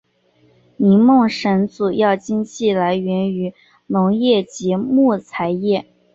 林梦省主要经济来源于农业及木材业。